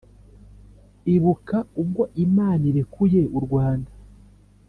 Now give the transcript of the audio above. Ibuka ubwo Imana irekuye u Rwanda